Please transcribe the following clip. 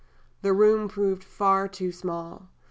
The room proved far too small.